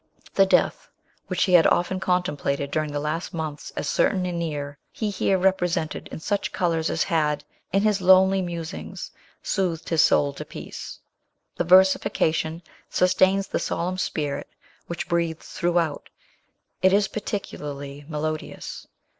The death which he had BIRTH OF A CHILD. 93 often contemplated during the last months as certain and near, he here represented in such colours as had, in his lonely musings, soothed his soul to peace. The versification sustains the solemn spirit which breathes throughout; it is peculiarly melodious.